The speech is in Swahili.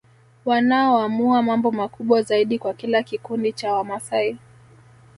Wanaoamua mambo makubwa zaidi kwa kila kikundi cha Wamasai